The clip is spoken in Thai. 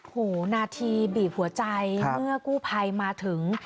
นาทีบีบหัวใจเมื่อกู้ภัยมาถึง